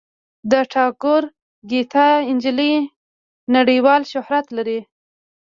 د ټاګور ګیتا نجلي نړیوال شهرت لري.